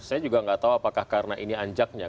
saya juga nggak tahu apakah karena ini anjaknya